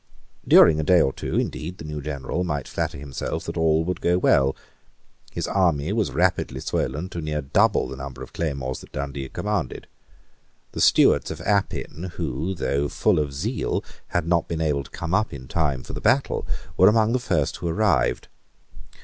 During a day or two, indeed, the new general might flatter himself that all would go well. His army was rapidly swollen to near double the number of claymores that Dundee had commanded. The Stewarts of Appin, who, though full of zeal, had not been able to come up in time for the battle, were among the first who arrived.